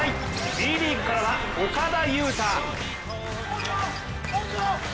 Ｂリーグからは、岡田侑大。